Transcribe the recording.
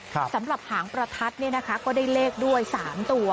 สำหรับหางประทัดเนี่ยนะคะก็ได้เลขด้วยสามตัว